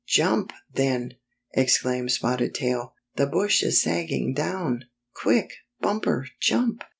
" "Jump, then!" exclaimed Spotted Tail. "The bush is sagging down! Quick, Bumper, jump!"